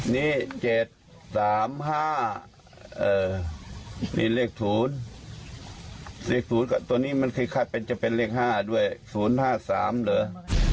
นี่เจ็ดสามห้านี่เลขถูนเลขถูนตัวนี้มันคลิกคาดเป็นจะเป็นเลขห้าด้วยศูนย์ห้าสามเหรอ